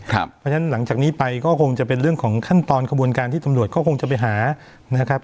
เพราะฉะนั้นหลังจากนี้ไปก็คงจะเป็นเรื่องของขั้นตอนกระบวนการที่ตำรวจก็คงจะไปหานะครับ